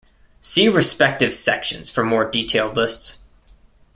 See respective sections for more detailed lists.